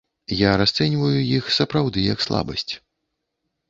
Я расцэньваю іх сапраўды як слабасць.